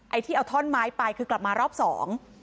ที่เอาท่อนไม้ไปคือกลับมารอบสอง